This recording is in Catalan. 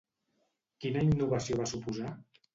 Quina innovació va suposar?